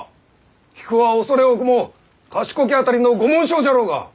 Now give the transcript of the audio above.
菊は畏れ多くも「畏きあたりのご紋章」じゃろうが！